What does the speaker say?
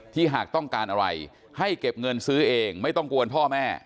หากต้องการอะไรให้เก็บเงินซื้อเองไม่ต้องกวนพ่อแม่